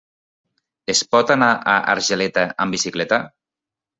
Es pot anar a Argeleta amb bicicleta?